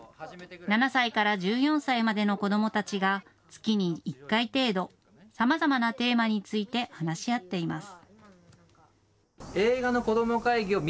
７歳から１４歳までの子どもたちが月に１回程度、さまざまなテーマについて話し合っています。